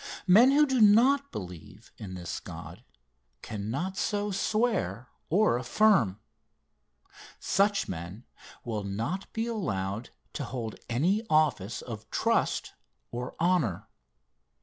Men who do not believe in this God, cannot so swear or affirm. Such men will not be allowed to hold any office of trust or honor.